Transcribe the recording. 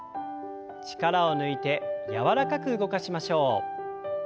力を抜いて柔らかく動かしましょう。